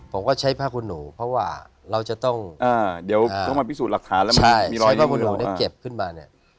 ผมก็ใช้ผ้าคุณหนูเพราะว่าเราจะต้องเดี๋ยวต้องมาพิสูจน์หลักฐานแล้วมันมีรอยผ้าคุณหนูได้เก็บขึ้นมาเนี่ย